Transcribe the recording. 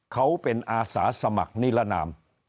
เขาเป็นอาสาสมัครนิรนาม